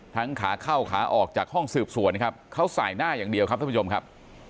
ขาเข้าขาออกจากห้องสืบสวนครับเขาใส่หน้าอย่างเดียวครับท่านผู้ชมครับ